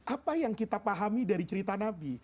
apa yang kita pahami dari cerita nabi